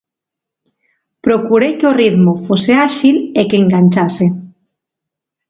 Procurei que o ritmo fose áxil e que enganchase.